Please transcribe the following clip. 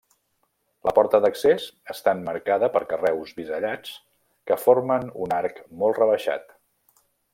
La porta d'accés està emmarcada per carreus bisellats que formen un arc molt rebaixat.